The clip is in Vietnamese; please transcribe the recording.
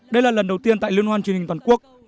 đây là lần đầu tiên tại liên hoan truyền hình toàn quốc